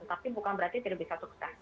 tapi bukan berarti tidak bisa sukses